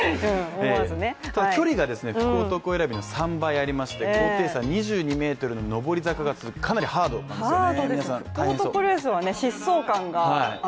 距離が福男選びの３倍ありまして高低差２２ｍの上り坂が続くかなりハードなんですよね。